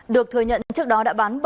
được thừa nhận trước đó đã bán